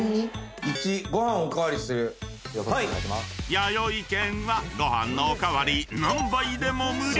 ［やよい軒はご飯のお代わり何杯でも無料！］